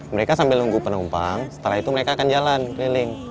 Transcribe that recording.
mereka sambil menunggu penumpang setelah itu akan jalan keliling